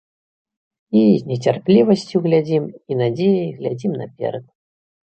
І з нецярплівасцю глядзім і надзеяй глядзім наперад.